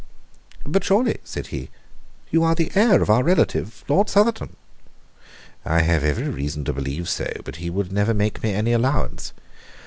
"But surely," said he, "you are the heir of our relative, Lord Southerton?" "I have every reason to believe so, but he would never make me any allowance."